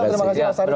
terima kasih mas arief